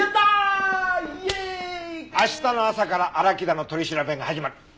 明日の朝から荒木田の取り調べが始まる。